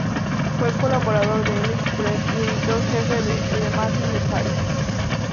Fue colaborador de "L’Express" y editor jefe de "Le Matin de Paris".